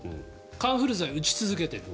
カンフル剤を打ち続けている。